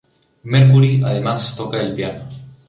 Mercury, además, toca el piano.